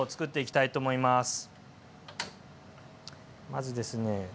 まずですね